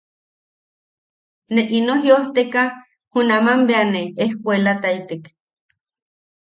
Ne ino jiʼojteka junaman bea ne ejkuelataitek.